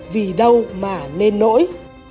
vì đâu mà nên nỗi